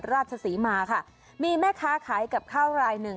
จังหวัดนครราชศรีมาค่ะมีแม่ค้าขายกับข้าวรายหนึ่ง